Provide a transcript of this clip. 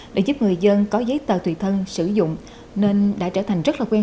để giúp người dân có giấy tờ tùy thân sử dụng nên đã trở thành rất là quen